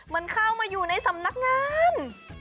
มันเข้ามาอยู่ในสำนักงาน